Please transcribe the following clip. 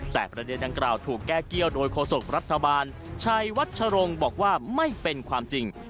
แต่ประเด็นดังกล่าวถูกแก้เกี้ยวโดยโฆษกรัฐบาลชัยวัชรงค์บอกว่าไม่เป็นความจริง